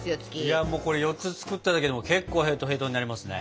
いやもうこれ４つ作っただけでも結構へとへとになりますね。